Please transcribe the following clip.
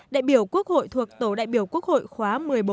đại biểu quốc hội thuộc tổ đại biểu quốc hội khóa một mươi bốn